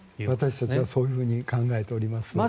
私たちはそういうふうに考えています。